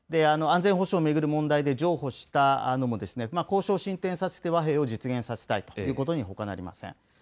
安全保障を巡る問題で譲歩したのも、交渉進展させて、和平を実現させたいということにほかなりません。